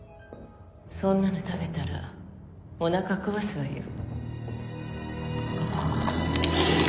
そんなの食べたらおなか壊すわよ